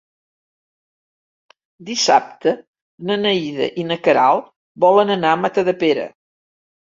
Dissabte na Neida i na Queralt volen anar a Matadepera.